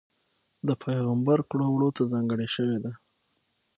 د پېغمبر کړو وړوته ځانګړې شوې ده.